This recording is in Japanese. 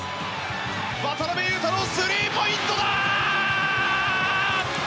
渡邊雄太のスリーポイントだ！